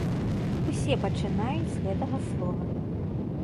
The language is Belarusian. Усе пачынаюць з гэтага слова.